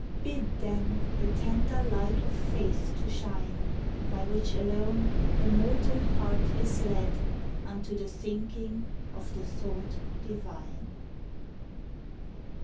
Bid, then, the tender light of faith to shine By which alone the mortal heart is led Unto the thinking of the thought divine.